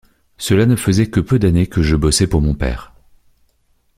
Cela ne faisait que peu d'années que je bossais pour mon père.